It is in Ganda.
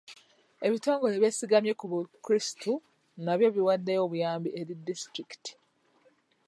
Ebitongole eby'esigamye ku bukulisitu nabyo biwaddeyo obuyambi eri disitulikiti.